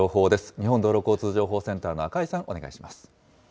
日本道路交通情報センターの赤井さん、お願いします。